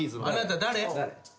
あなた誰？